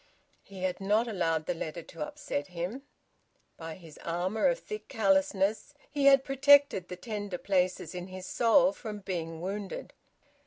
He had not allowed the letter to upset him. By his armour of thick callousness, he had protected the tender places in his soul from being wounded.